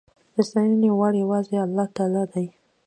د ستاينو وړ يواځې الله تعالی دی